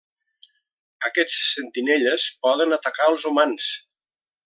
Aquests sentinelles poden atacar els humans.